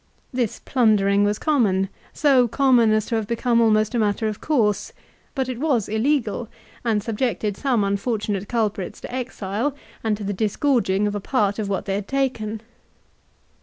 This plundering was common, so common as to have become almost a matter of course ; but it was illegal and subjected some unfortunate culprits to exile, and to the disgorging of a part of what they had taken.